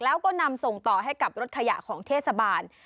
แล้วก็นำส่งต่อให้กับรถขยะของเทศบาล